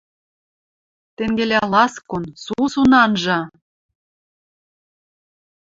Тенгелӓ ласкон, сусун анжа